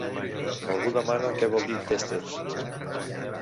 Algú demana què vol dir tèsters.